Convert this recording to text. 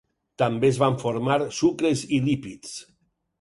També es van formar sucres i lípids.